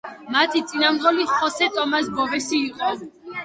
მათი წინამძღოლი ხოსე ტომას ბოვესი იყო.